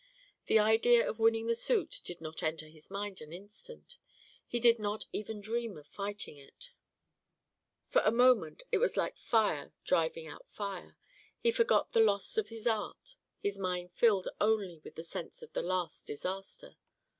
The idea of winning the suit did not enter his mind an instant; he did not even dream of fighting it. For the moment it was like fire driving out fire. He forgot the loss of his art, his mind filled only with the sense of the last disaster.